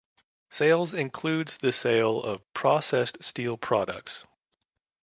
Sales includes the sale of processed steel products.